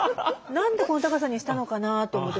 何でこの高さにしたのかなと思って。